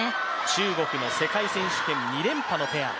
中国の世界選手権２連覇のペア。